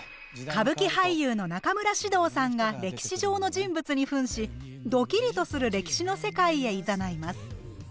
歌舞伎俳優の中村獅童さんが歴史上の人物にふんしドキリとする歴史の世界へいざないます。